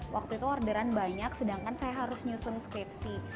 waktu itu orderan banyak sedangkan saya harus nyusun skripsi